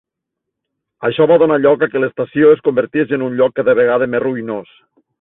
Això va donar lloc a què l'estació es convertís en un lloc cada vegada més ruïnós.